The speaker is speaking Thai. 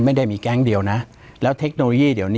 ปากกับภาคภูมิ